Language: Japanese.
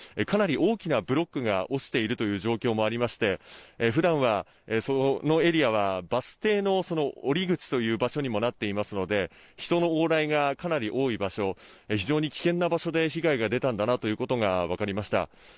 かなり大きなブロックが落ちている状況もありまして普段はそのエリアはバス停の降り口という場所になっているので人の往来が、かなり多い場所非常に危険な場所で被害が出たというのが分かりました。